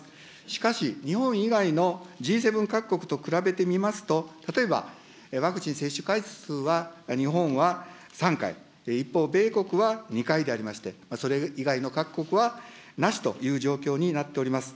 しかし、日本以外のＧ７各国と比べてみますと、例えば、ワクチン接種回数は日本は３回、一方、米国は２回でありまして、それ以外の各国は、なしという状況になっております。